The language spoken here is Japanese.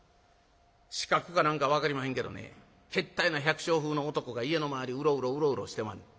「刺客か何か分かりまへんけどねけったいな百姓風の男が家の周りうろうろうろうろしてまんねん。